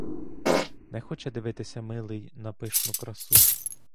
Не хоче дивитися милий на пишну красу!